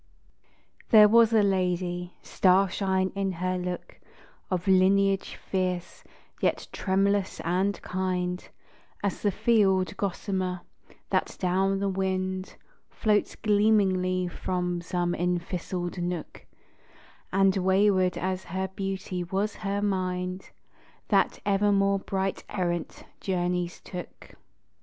THERE was a lady, starshine in her look, Of lineage fierce, yet tremulous and kind As the field gossamer, that down the wind Floats gleamingly from some enthistled nook; And wayward as her beauty was her mind That evermore bright errant journeys took.